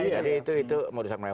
iya itu merusaknya